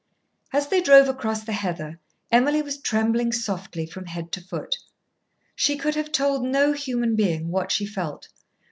As they drove across the heather, Emily was trembling softly from head to foot. She could have told no human being what she felt.